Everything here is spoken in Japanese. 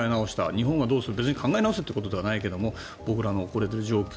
日本がどうするか別に考え直すということじゃないけど僕らの状況